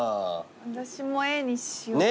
私もＡにしよう。